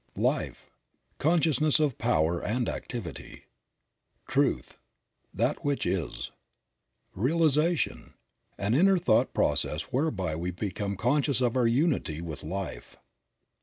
/ Life. — Consciousness of power and activity, v Truth. — That which is./ / Realization. — An inner thought process whereby we become v conscious of our unity with life.